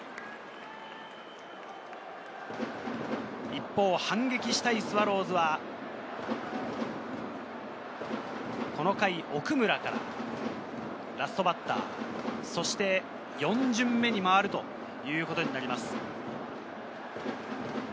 一方、反撃したいスワローズは、この回、奥村がラストバッター、そして４巡目に回るということになります。